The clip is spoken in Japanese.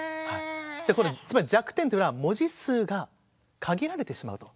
つまり弱点というのは文字数が限られてしまうと。